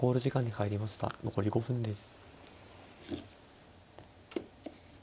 残り５分です。